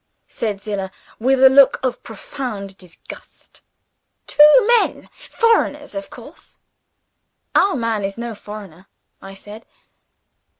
said Zillah, with a look of profound disgust. "Two men! Foreigners, of course." "Our man is no foreigner," I said.